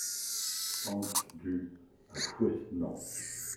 Hent Du à Fouesnant